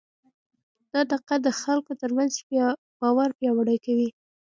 دا دقت د خلکو ترمنځ باور پیاوړی کوي.